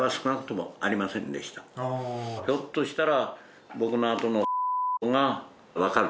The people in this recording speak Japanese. ひょっとしたら。